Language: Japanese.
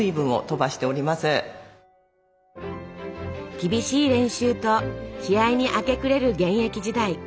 厳しい練習と試合に明け暮れる現役時代。